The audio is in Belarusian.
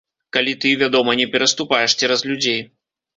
Калі ты, вядома, не пераступаеш цераз людзей.